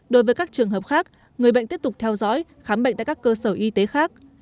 đối với các trường hợp khác người bệnh tiếp tục theo dõi khám bệnh tại các cơ sở y tế khác